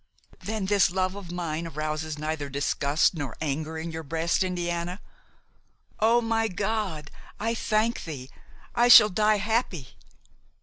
"Then this love of mine arouses neither disgust nor anger in your breast, Indiana? O my God! I thank Thee! I shall die happy!